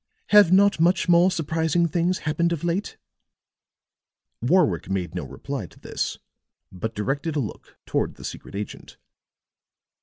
"Have not much more surprising things happened of late?" Warwick made no reply to this, but directed a look toward the secret agent.